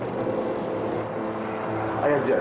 aku akan terus jaga kamu